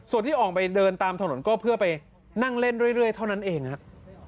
ส่วนที่ออกไปเดินตามถนนก็เพื่อไปนั่งเล่นเรื่อยเท่านั้นเองครับ